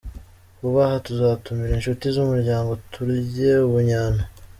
Vuba aha tuzatumira inshuti z’umuryango turye ubunnyano.